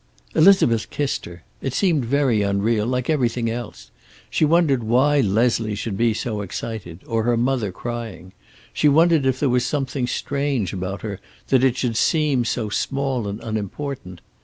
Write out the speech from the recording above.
Elizabeth kissed her. It seemed very unreal, like everything else. She wondered why Leslie should be so excited, or her mother crying. She wondered if there was something strange about her, that it should seem so small and unimportant.